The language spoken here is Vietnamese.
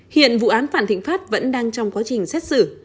hiện vụ án vạn thịnh pháp vẫn đang trong quá trình xét xử